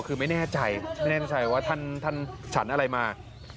คือไม่แน่ใจไม่แน่ใจว่าท่านฉันอะไรมา